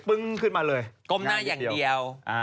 ึ้งขึ้นมาเลยก้มหน้าอย่างเดียว